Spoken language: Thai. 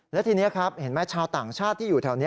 และทีนี้ครับเห็นไหมชาวต่างชาติที่อยู่แถวนี้